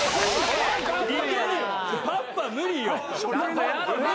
「パッパ」無理よ。